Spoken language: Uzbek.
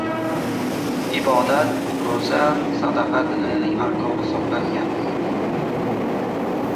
Ibodat, ro‘za, sadaqa dinning arkoni hisoblangan.